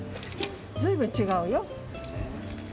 随分違うよ。